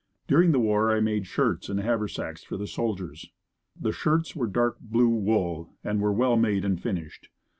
During the war I made shirts and haver sacks for the soldiers. The shirts were dark blue wool and were well made and finished.